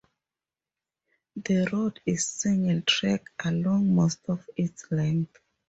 The road is single track along most of its length.